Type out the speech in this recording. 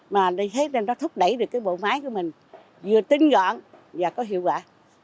mà thấy nó thúc đẩy được bộ máy của mình vừa tinh gọn và có hiệu quả